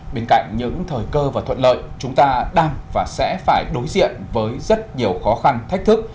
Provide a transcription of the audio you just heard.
bên cạnh những thời cơ và thuận lợi chúng ta đang và sẽ phải đối diện với rất nhiều khó khăn thách thức